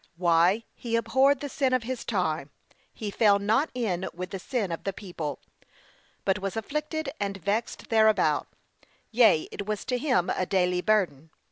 Why, he abhorred the sin of his time, he fell not in with the sin of the people, but was afflicted and vexed thereabout; yea, it was to him a daily burden.